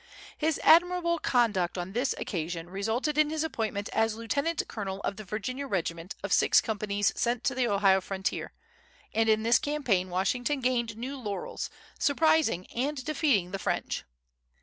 His admirable conduct on this occasion resulted in his appointment as lieutenant colonel of the Virginia regiment of six companies sent to the Ohio frontier; and in this campaign Washington gained new laurels, surprising and defeating the French.